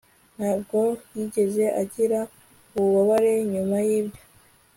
Ntabwo yigeze agira ububabare nyuma yibyo